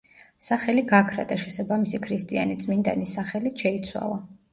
სახელი გაქრა და შესაბამისი ქრისტიანი წმინდანის სახელით შეიცვალა.